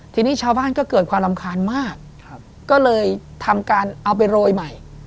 ทีนี้ชาวบ้านก็เกิดความรำคาญมากก็เลยทำการเอาไปโรยใหม่